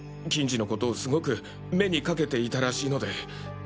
欣二のことをすごく目にかけていたらしいので。